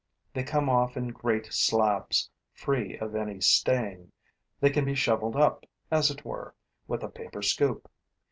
They come off in great slabs, free of any stain; they can be shoveled up, as it were, with a paper scoop.